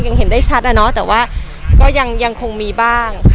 ยังเห็นได้ชัดแต่ว่าก็ยัง่งมีบ้าง